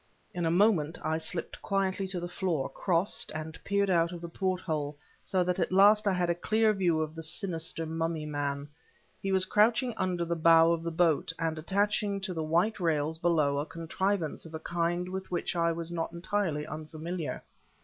In a moment I slipped quietly to the floor, crossed, and peered out of the porthole; so that at last I had a clear view of the sinister mummy man. He was crouching under the bow of the boat, and attaching to the white rails, below, a contrivance of a kind with which I was not entirely unfamiliar.